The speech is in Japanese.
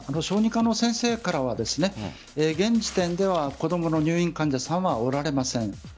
小児科の先生からは現時点では子供の入院患者さんはおられません。